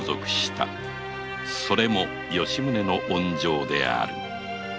それも吉宗の温情である